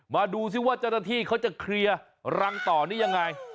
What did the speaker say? มาดูสิว่าจรฐธิเขาจะเคลียร์รังต่อนี่ยังไง